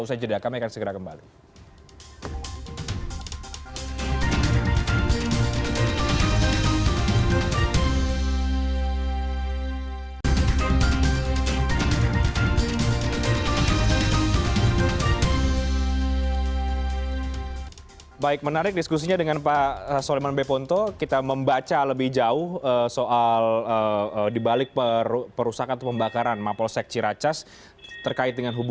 usai jeda kami akan segera kembali